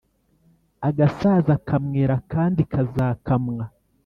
Agasaza kamwera akandi kazakamwa?